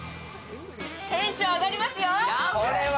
テンション上がりますよ。